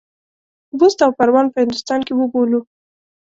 بُست او پروان په هندوستان کې وبولو.